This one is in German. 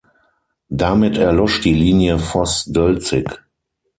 Damit erlosch die Linie Voß-Dölzig.